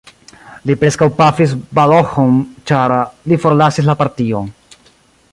Li preskaŭ pafis Balogh-on, ĉar li forlasis la partion.